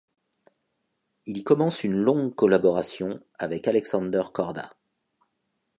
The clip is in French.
Il y commence une longue collaboration avec Alexander Korda.